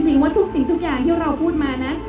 ว่าทุกสิ่งทุกอย่างที่เราพูดมานั้น